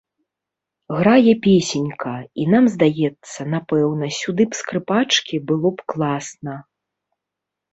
Грае песенька, і нам здаецца, напэўна, сюды скрыпачкі было б класна.